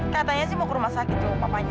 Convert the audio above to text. katanya sih mau ke rumah sakit tuh papanya